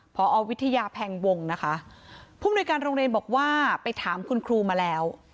พอวิทยาแพงวงนะคะผู้มนุยการโรงเรียนบอกว่าไปถามคุณครูมาแล้ว